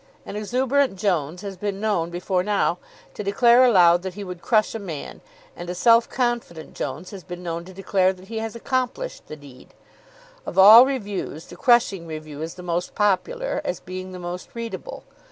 An exuberant Jones has been known before now to declare aloud that he would crush a man, and a self confident Jones has been known to declare that he has accomplished the deed. Of all reviews, the crushing review is the most popular, as being the most readable.